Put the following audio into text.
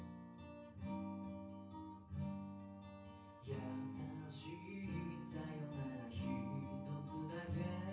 やさしいさよならひとつだけ